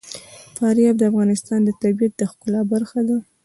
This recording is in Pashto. فاریاب د افغانستان د طبیعت د ښکلا برخه ده.